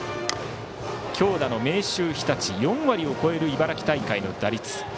強打の明秀日立４割を超える茨城大会の打率。